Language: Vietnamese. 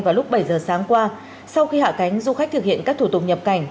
vào lúc bảy giờ sáng qua sau khi hạ cánh du khách thực hiện các thủ tục nhập cảnh